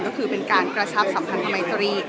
ก็คือเป็นการกระชับสัมพันธมัยตรี